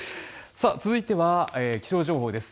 続いては気象情報です。